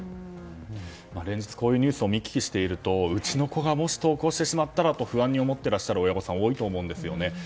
連日、こういうニュースを見聞きしているとうちの子がもし投稿してしまったらと不安に思ってらっしゃる親御さん多いと思うんですよね。